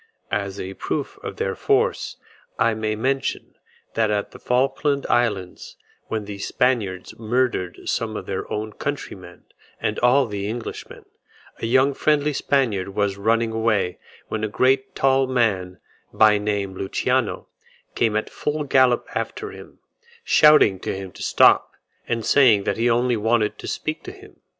As a proof of their force, I may mention, that at the Falkland Islands, when the Spaniards murdered some of their own countrymen and all the Englishmen, a young friendly Spaniard was running away, when a great tall man, by name Luciano, came at full gallop after him, shouting to him to stop, and saying that he only wanted to speak to him.